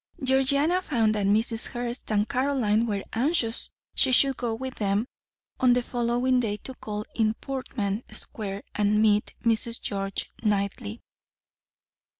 Georgiana found that Mrs. Hurst and Caroline were anxious she should go with them on the following day to call in Portman Square and meet Mrs. George Knightley.